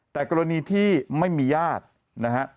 แต่กรณีที่ไม่มีญาตินะฮะ